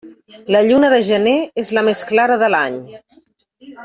La lluna de gener és la més clara de l'any.